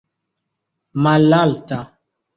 malalta